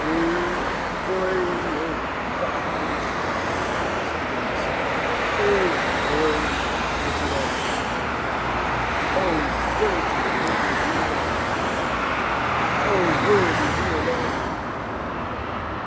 "Evoe! O Bacchus!" thus began the song; And "Evoe!" answer'd all the female throng. "O virgin! worthy thee alone!" she cried; "O worthy thee alone!" the crew replied.